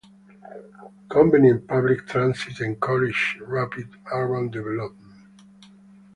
Convenient public transit encouraged rapid urban development.